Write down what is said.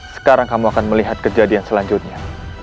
sekarang kamu akan melihat kejadian selanjutnya